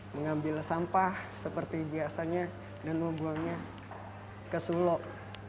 mengambil sampah seperti biasanya dan membuangnya ke sulo